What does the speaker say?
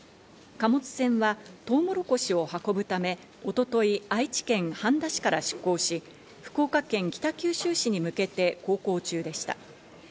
貨物船はトウモロコシを運ぶため、一昨日、愛知県半田市から出港し、福岡県北九州市に向けて航行中でした。